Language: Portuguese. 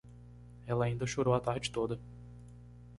Ela ainda chorou a tarde toda.